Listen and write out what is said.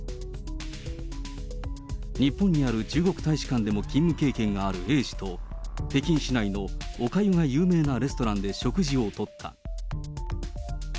日本にある中国大使館でも勤務経験があるＡ氏と、北京市内のおかゆが有名なレストランで食事をとった。